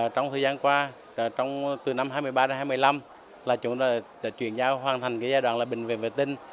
trong thời gian qua từ năm hai mươi ba đến hai mươi năm là chúng ta đã chuyển giao hoàn thành giai đoạn là bệnh viện vệ tinh